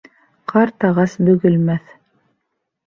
Ҡарт ағас бөгөлмәҫ